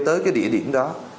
tới cái địa điểm đó